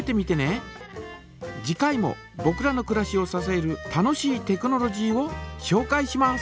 次回もぼくらのくらしをささえる楽しいテクノロジーをしょうかいします。